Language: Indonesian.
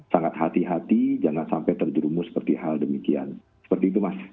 sangat hati hati jangan sampai terjerumus seperti hal demikian seperti itu mas